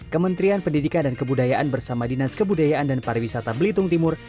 kementerian pendidikan dan kebudayaan bersama dinas kebudayaan dan pariwisata belitung timur